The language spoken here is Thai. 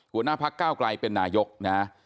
หัวหน้าภักดิ์ก้าวกลายเป็นนายกนะฮะ